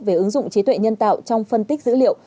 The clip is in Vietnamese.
về ứng dụng trí tuệ nhân tạo trong phân tích dữ liệu